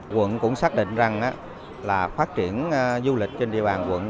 quận cũng xác định rằng là phát triển du lịch trên địa bàn quận